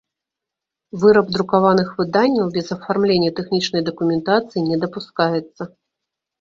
Выраб друкаваных выданняў без афармлення тэхнiчнай дакументацыi не дапускаецца.